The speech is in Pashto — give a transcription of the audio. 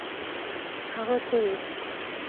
هغه څه ویل؟